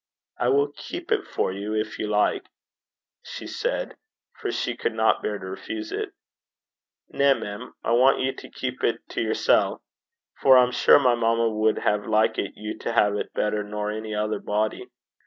'I will keep it for you, if you like,' she said, for she could not bear to refuse it. 'Na, mem; I want ye to keep it to yersel'; for I'm sure my mamma wad hae likit you to hae 't better nor ony ither body.'